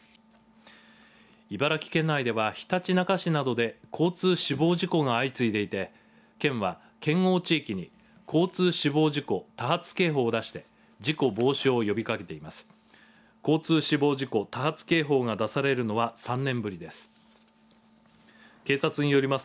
茨城県内ではひたちなか市などで交通死亡事故が相次いでいて県は、県央地域に交通死亡事故多発警報を出して事故防止を呼びかけています。